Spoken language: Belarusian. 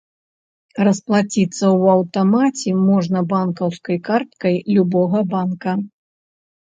Расплаціцца ў аўтамаце можна банкаўскай карткай любога банка.